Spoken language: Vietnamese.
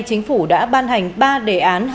chính phủ đã ban hành ba đề án